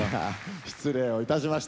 失礼をいたしました。